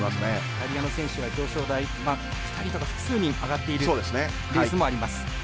イタリアの選手は表彰台２人とか複数人、上がっているレースもあります。